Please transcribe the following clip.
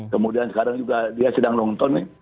kemudian sekarang juga dia sedang nonton nih